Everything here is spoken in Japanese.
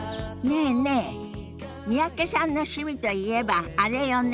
え三宅さんの趣味といえばあれよね。